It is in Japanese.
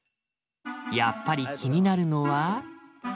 やっぱり気になるのは。